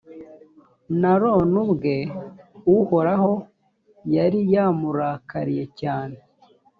n’aroni ubwe uhoraho yari yamurakariye cyane,